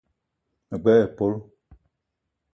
Me gbele épölo